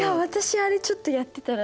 あれちょっとやってたら。